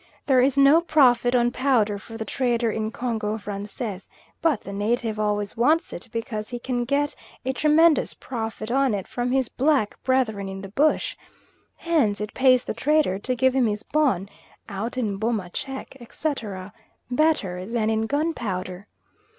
There is no profit on powder for the trader in Congo Francais, but the native always wants it because he can get a tremendous profit on it from his black brethren in the bush; hence it pays the trader to give him his bon out in Boma check, etc., better than in gunpowder.